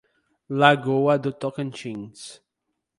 Lagoa do Tocantins